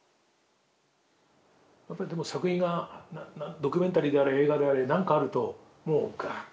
やっぱりでも作品がドキュメンタリーであれ映画であれ何かあるともうガーッと。